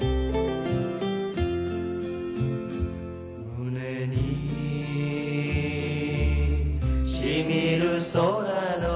「胸にしみる空の